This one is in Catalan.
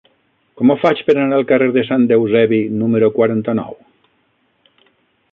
Com ho faig per anar al carrer de Sant Eusebi número quaranta-nou?